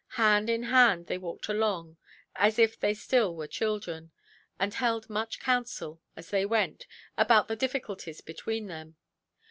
Hand in hand they walked along, as if they still were children, and held much counsel, as they went, about the difficulties between them.